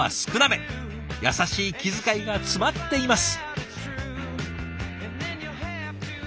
優しい気遣いが詰まっています。